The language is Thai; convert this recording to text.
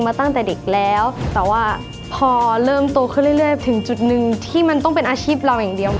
มาตั้งแต่เด็กแล้วแต่ว่าพอเริ่มโตขึ้นเรื่อยถึงจุดหนึ่งที่มันต้องเป็นอาชีพเราอย่างเดียว